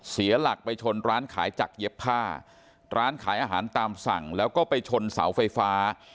เสียหลักไปชนร้านขายจักรเย็บผ้าร้านขายอาหารตามสั่งแล้วก็ไปชนเสาไฟฟ้า